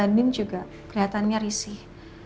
banding juga kelihatannya risih